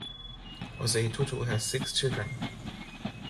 Osei Tutu has six children.